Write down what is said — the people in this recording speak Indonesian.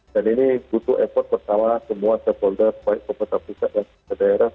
dan ini butuh effort pertama semua shareholder baik kompetensi pusat dan daerah